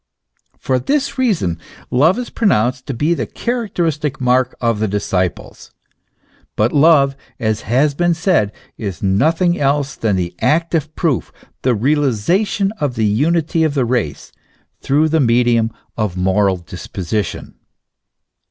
For this reason love is pronounced to be the characteristic mark of the disciples. But love, as has been said, is nothing else than the active proof, the realization of the unity of the race, through the medium of the moral dispo sition.